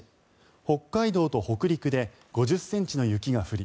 北海道と北陸で５０ｃｍの雪が降り